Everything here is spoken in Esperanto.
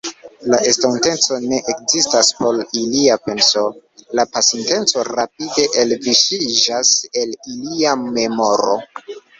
La estonteco ne ekzistas por ilia penso, la pasinteco rapide elviŝiĝas el ilia memoro.